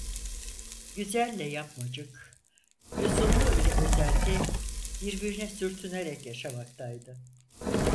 Güzelle yapmacık, lüzumlu ile özenti birbirine sürtünerek yaşamaktaydı.